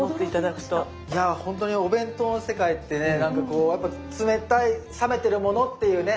いや本当にお弁当の世界ってねなんかこう冷たい冷めてるものっていうね